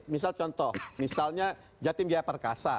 misal contoh misalnya jatim jaya perkasa